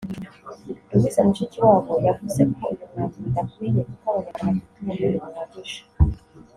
Louise Mushikiwabo wavuze ko uyu mwanzuro udakwiye kuko Abanyarwanda bafite ubumenyi buhagije